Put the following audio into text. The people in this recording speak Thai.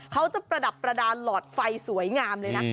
เขาจะประดับประดานหลอดไฟสวยงามเลยนะ